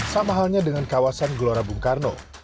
sama halnya dengan kawasan gelora bung karno